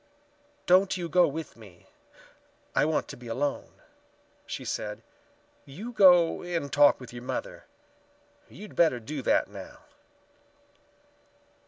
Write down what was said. "Don't you go with me; I want to be alone," she said. "You go and talk with your mother. You'd better do that now."